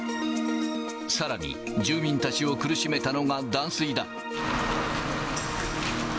さらに、住民たちを苦しめたのが断水だ。